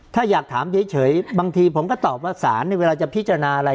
ถ้าอยากถามเฉยบางทีผมก็ตอบว่าสารเวลาจะพิจารณาอะไร